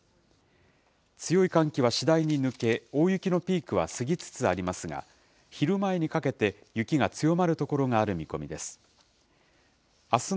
強い寒気は次第に抜け、大雪のピークは過ぎつつありますが、昼前にかけて、雪が強まる所がある見込みです。